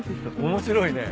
面白いね。